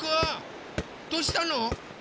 どうしたの？